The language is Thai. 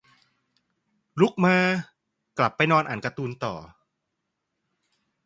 ลุกมา กลับไปนอนอ่านการ์ตูนต่อ